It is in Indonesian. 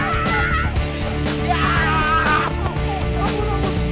tapi mereka juga ada yang belum digit